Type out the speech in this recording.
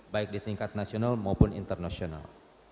baik di tingkat nasional maupun internasional